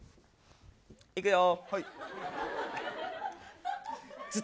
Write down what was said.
いくよ。